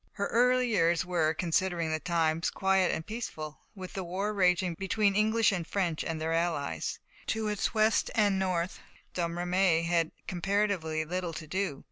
Her early years were, considering the times, quiet and peaceful. With the war raging between English and French and their allies, to its west and north, Domremy had comparatively little to do.